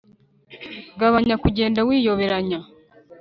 Gabanya kugenda wiyoberanya